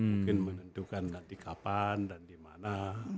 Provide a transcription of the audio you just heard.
mungkin menentukan nanti kapan dan dimana